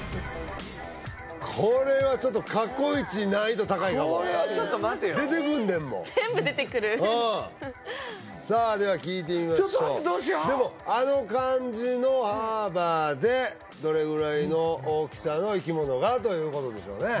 これはちょっと過去イチ難易度高いかもこれはちょっと待てよ出てくんねんもん全部出てくるうんさあでは聞いてみましょうちょっと待ってどうしようでもあの感じのハーバーでどれぐらいの大きさの生き物がということでしょうね